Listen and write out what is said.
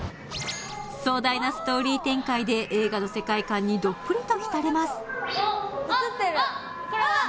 壮大なストーリー展開で映画の世界観にどっぷりと浸れますあっあっあっ！